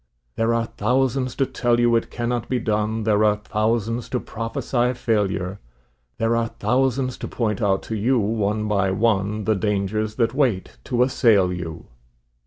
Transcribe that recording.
There are thousands to tell you it cannot be done, There are thousands to prophesy failure; There are thousands to point out to you one by one, The dangers that wait to assail you.